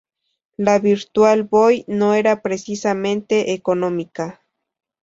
La Virtual Boy no era precisamente económica.